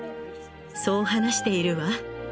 そう話しているわ。